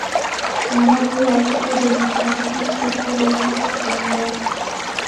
مانا بۇ ھازىرقى جەمئىيىتىمىزدىكى كىتابقا بولغان قىزغىنلىق.